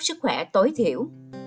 sức khỏe tối thiểu